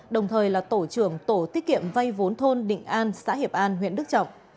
đồng thời là tổ trưởng tổ tiết kiệm vay vốn thôn định an xã hiệp an huyện đức trọng